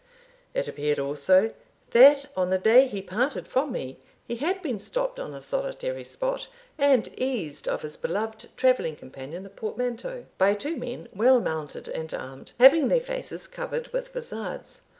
It appeared also, that on the day he parted from me, he had been stopped on a solitary spot and eased of his beloved travelling companion, the portmanteau, by two men, well mounted and armed, having their faces covered with vizards.